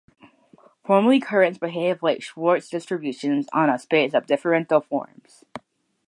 Formally currents behave like Schwartz distributions on a space of differential forms.